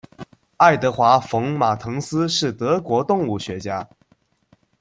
爱德华·冯·马滕斯是德国动物学家。